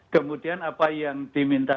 kemudian apa yang diminta